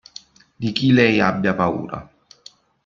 Di chi lei abbia paura.